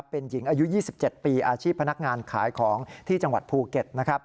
เป็นหญิงอายุ๒๗ปีอาชีพพนักงานขายของที่จังหวัดภูเก็ตนะครับ